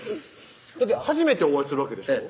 だって初めてお会いするわけでしょ？